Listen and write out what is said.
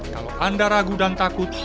kalau anda ragu dan takut